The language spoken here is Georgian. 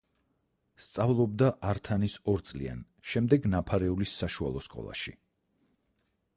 სწავლობდა ართანის ორწლიან, შემდეგ ნაფარეულის საშუალო სკოლაში.